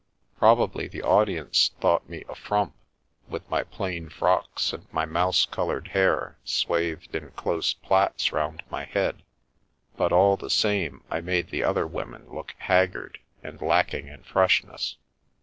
Probably the audience thought me a frump, with my plain frocks and my mouse coloured hair swathed in close plaits round my head, but all the same, I made the other women look haggard and lacking in freshness.